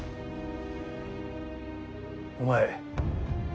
お前